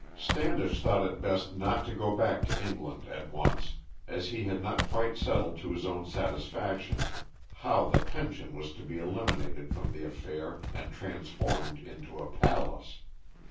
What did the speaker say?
Standish thought it best not to go back to England at once, as he had not quite settled to his own satisfaction how the pension was to be eliminated from the affair and transformed into a palace.